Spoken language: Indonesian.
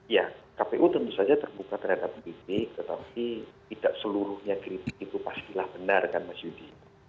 ya kpu tentu saja terbuka terhadap kritik tetapi tidak seluruhnya kritik itu pastilah benar kan mas yudi